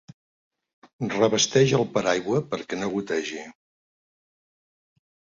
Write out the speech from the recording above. Revesteix el paraigua perquè no gotegi.